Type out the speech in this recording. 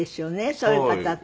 そういう方って。